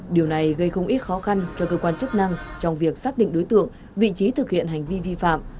điều này gây không ít khó khăn cho cơ quan chức năng trong việc xác định đối tượng vị trí thực hiện hành vi vi phạm